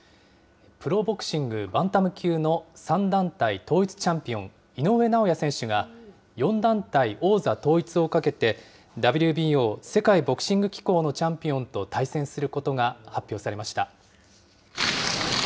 プロボクシングバンタム級の３団体統一チャンピオン、井上尚弥選手が、４団体王座統一をかけて、ＷＢＯ・世界ボクシング機構のチャンピオンと対戦することが発表されました。